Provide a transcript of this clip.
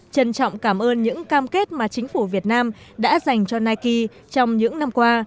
trân trọng cảm ơn những cam kết mà chính phủ việt nam đã dành cho nike trong những năm qua